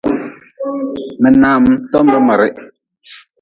Minaam tombe mirrh.